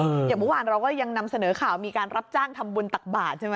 เอออย่างวันนี้เราก็ยังนำเสนอข่าวมีการรับตั้งทำบุญตักบาดใช่ไหม